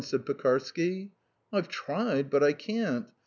said Pekarsky. "I've tried, but I can't.